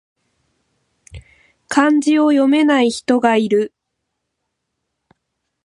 漢字を読めない人がいる